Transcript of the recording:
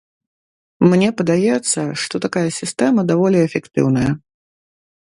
Мне падаецца, што такая сістэма даволі эфектыўная.